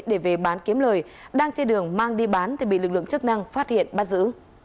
để về bán kiếm lời đang trên đường mang đi bán thì bị lực lượng chức năng phát hiện bắt giữ